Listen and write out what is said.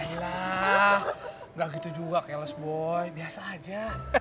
alah gak gitu juga keles boy biasa aja